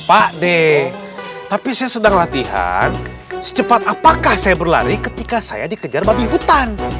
pak de tapi saya sedang latihan secepat apakah saya berlari ketika saya dikejar babi hutan